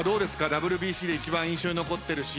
ＷＢＣで一番印象に残ってるシーンは。